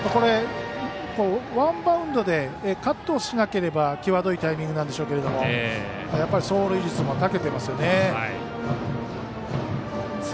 ワンバウンドでカットしなければきわどいタイミングなんでしょうけどやっぱり走塁術もたけてますよね。